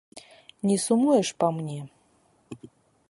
Не сумуеш па мне?